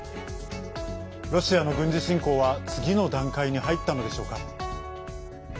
ロシアの軍事侵攻は次の段階に入ったのでしょうか。